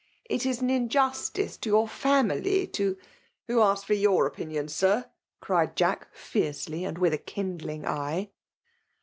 '' It is aa iajnstiee to your familj to ■>"" Wha asked fi>r ymar opmion, Sir ?" cried Jack, fiercely, and with a kindling eye.